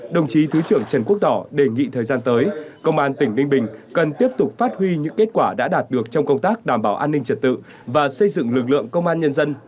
đồng chí thứ trưởng trần quốc tỏ đề nghị thời gian tới công an tỉnh ninh bình cần tiếp tục phát huy những kết quả đã đạt được trong công tác đảm bảo an ninh trật tự và xây dựng lực lượng công an nhân dân